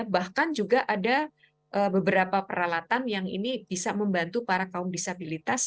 bahkan juga ada beberapa peralatan yang ini bisa membantu para kaum disabilitas